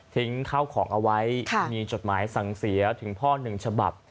ข้าวของเอาไว้มีจดหมายสั่งเสียถึงพ่อหนึ่งฉบับ